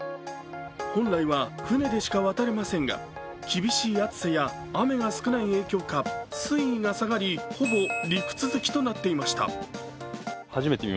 本来は船でしか渡れませんが、厳しい暑さや、雨が少ない影響かほぼ陸続きとなっていました。